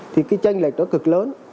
thì cái tranh lệch đó cực lớn